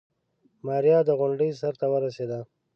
ماريا د غونډۍ سر ته ورسېده.